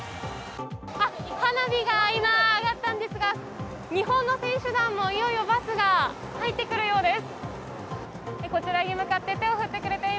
花火が今、上がったんですが日本の選手団もいよいよバスが入ってくるようです。